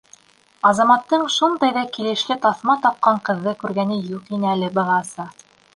Азаматтың шундай ҙа килешле таҫма таҡҡан ҡыҙҙы күргәне юҡ ине әле бығаса.